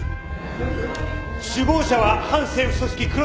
首謀者は反政府組織黒い月。